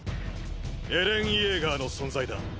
エレン・イェーガーの存在だ。